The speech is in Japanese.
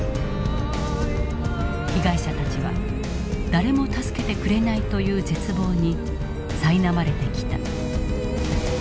被害者たちは誰も助けてくれないという絶望にさいなまれてきた。